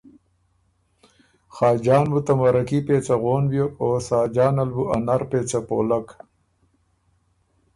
خاجان بُو ته مَرَکي پېڅه غون بیوک او ساجان ال بُو ا نر پېڅه پولک۔